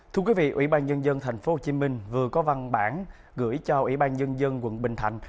thưa quý vị ủy ban nhân dân tp hcm vừa có văn bản gửi cho ủy ban nhân dân quận bình thạnh